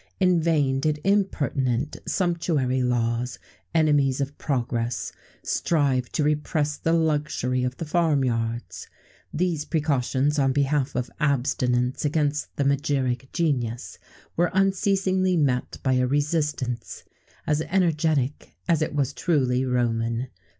In vain did impertinent sumptuary laws, enemies of progress, strive to repress the luxury of the farm yards. These precautions on behalf of abstinence against the magiric genius were unceasingly met by a resistance, as energetic as it was truly Roman.